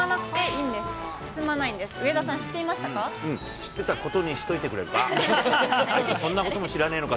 うん、知ってたことにしといてくれるか。